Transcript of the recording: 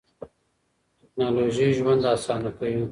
ټکنالوژي ژوند اسانه کوي.